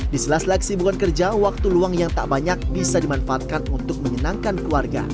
di sela seleksi bukan kerja waktu luang yang tak banyak bisa dimanfaatkan untuk menyenangkan keluarga